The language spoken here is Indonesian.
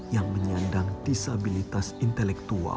yang menyandang disabilitas intelektual